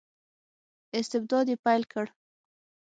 استبداد یې پیل کړ.